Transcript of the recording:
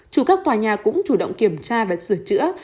chủ các tòa nhà cũng chủ động kiểm tra và sửa chữa